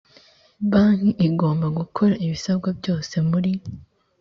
banki igomba gukora ibisabwa byose muri